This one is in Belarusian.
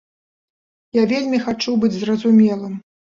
Я вельмі хачу быць зразумелым.